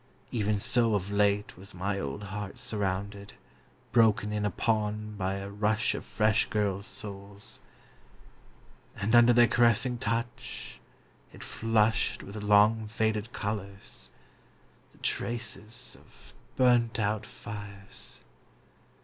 Even so of late was my old heart surrounded, broken in upon by a rush of fresh girls' souls ... and under their caressing touch it flushed with long faded colours, the traces of burnt out fires